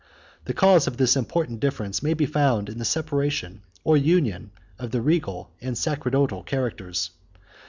The cause of this important difference may be found in the separation or union of the regal and sacerdotal characters.